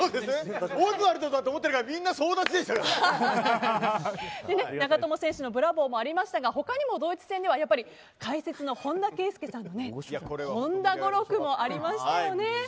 オズワルドと思ってたから長友選手のブラボーもありましたが他にもドイツ戦では解説の本田圭佑さんのホンダ語録もありましたよね。